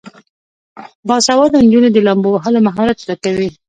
باسواده نجونې د لامبو وهلو مهارت زده کوي.